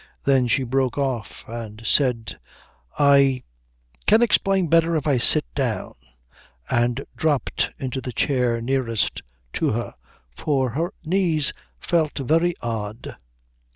Then she broke off and said, "I can explain better if I sit down " and dropped into the chair nearest to her, for her knees felt very odd.